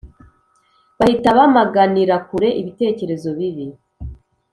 bahita bamaganira kure ibitekerezo bibi